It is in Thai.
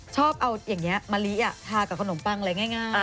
ชอบเอาอย่างนี้มะลิทากับขนมปังอะไรง่าย